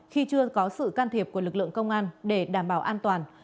khi chưa có sự can thiệp của lực lượng công an để đảm bảo an toàn